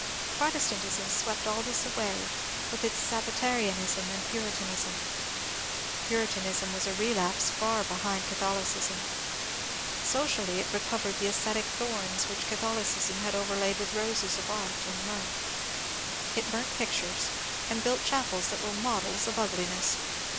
Protestant ism swept all this away with its Sabbatarianism and Puri tanism. Puritanism was a relapse far behind Catholicism. Socially it recovered the ascetic thorns which Catholicism had overlaid with roses of art and mirth. It burnt pictures and built chapels that were models of ugliness.